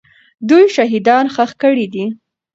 دوی شهیدان ښخ کړي دي.